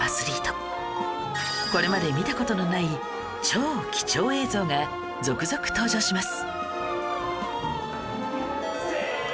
これまで見た事のない超貴重映像が続々登場します